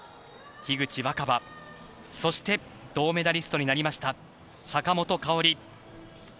樋口新葉、そして銅メダリストになりました坂本花織。